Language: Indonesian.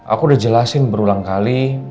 aku udah jelasin berulang kali